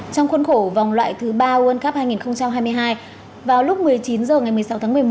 trong khuôn khổ vòng loại thứ ba world cup hai nghìn hai mươi hai vào lúc một mươi chín h ngày một mươi sáu tháng một mươi một